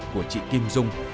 của chị kim dung